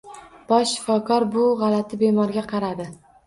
Bosh shifokor bu g‘alati bemorga qaradi.